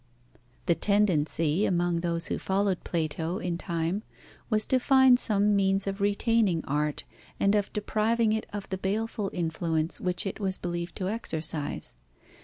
The tendency among those who followed Plato in time was to find some means of retaining art and of depriving it of the baleful influence which it was believed to exercise.